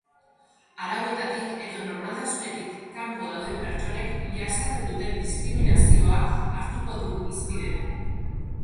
Arauetatik edo normaltasunetik kanpo dauden pertsonek jasaten duten diskriminazioa hartuko du hizpide.